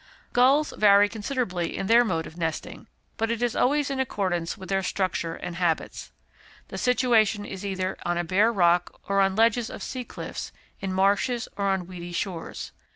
Gulls vary considerably in their mode of nesting, but it is always in accordance with their structure and habits. The situation is either on a bare rock or on ledges of sea cliffs, in marshes or on weedy shores.